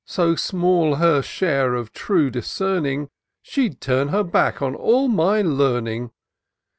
So small her share of true discerning. She turn'd her back on all my learning.